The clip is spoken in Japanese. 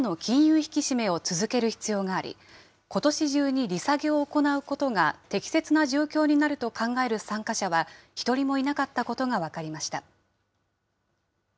引き締めを続ける必要があり、ことし中に利下げを行うことが適切な状況になると考える参加者は一人もいなかったことが分かりました。